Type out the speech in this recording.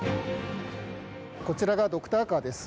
こちらがドクターカーです。